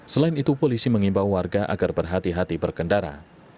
selain itu polisi mengimbau warga agar berhati hati berkendara